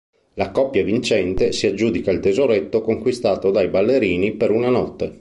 La coppia vincente si aggiudica il tesoretto conquistato dai ballerini per una notte.